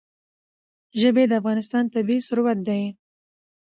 ژبې د افغانستان طبعي ثروت دی.